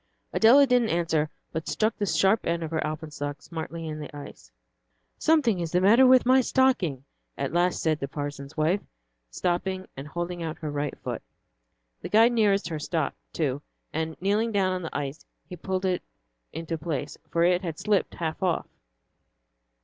Adela didn't answer, but stuck the sharp end of her alpenstock smartly into the ice. "Something is the matter with my stocking," at last said the parson's wife, stopping and holding out her right foot. The guide nearest her stopped, too, and kneeling down on the ice, he pulled it into place, for it had slipped half off.